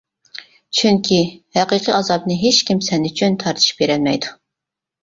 چۈنكى ھەقىقىي ئازابنى ھېچكىم سەن ئۈچۈن تارتىشىپ بېرەلمەيدۇ.